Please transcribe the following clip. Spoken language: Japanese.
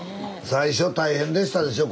最初大変でしたでしょ。